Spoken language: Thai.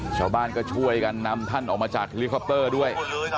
ชาวบ้านก็ช่วยกันนำท่านออกมาจากเฮลิคอปเตอร์ด้วย